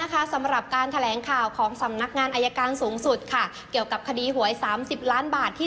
สำหรับการแถลงข่าวของสำนักงานอายการสูงสุดค่ะเกี่ยวกับคดีหวย๓๐ล้านบาทที่